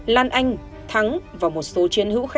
lan anh thắng và một số triên hữu